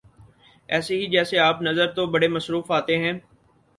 ایسے ہی جیسے آپ نظر تو بڑے مصروف آتے ہیں